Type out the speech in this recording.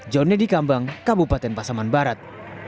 jonny dikambang kabupaten pasaman barat